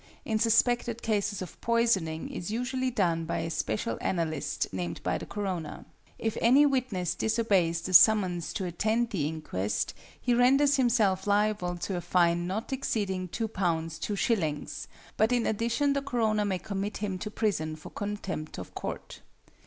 in suspected cases of poisoning is usually done by a special analyst named by the coroner. If any witness disobeys the summons to attend the inquest, he renders himself liable to a fine not exceeding £2 2s., but in addition the coroner may commit him to prison for contempt of court.